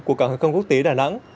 của cảng hàng không quốc tế đà nẵng